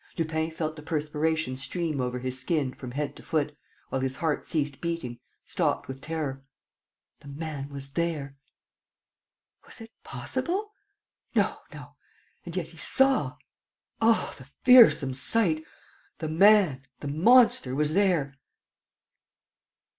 Lupin felt the perspiration stream over his skin, from head to foot, while his heart ceased beating, stopped with terror. The man was there. Was it possible? No, no ... and yet he saw. ... Oh, the fearsome sight! ... The man, the monster, was there.